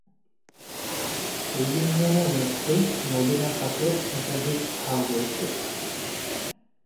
এই ইউনিয়নের মধ্যে নদী না থাকলেও একাধিক খাল রয়েছে।